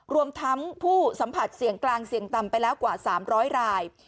รวมทั้งผู้สัมผัสเสี่ยงกลางเสี่ยงต่ำไปแล้วกว่า๓๐๐ราย